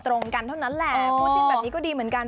ตรงกันเท่านั้นแหละคู่จิ้นแบบนี้ก็ดีเหมือนกัน